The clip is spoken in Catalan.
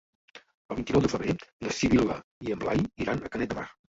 El vint-i-nou de febrer na Sibil·la i en Blai iran a Canet de Mar.